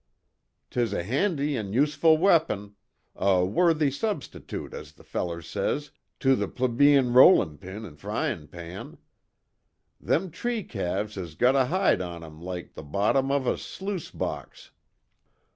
'Tis a handy an' useful weapon a worthy substitute, as the feller says, to the pleebeen rollin' pin an' fryin' pan. Thim tree calves has got a hide on 'em loike the bottom av a sluice box.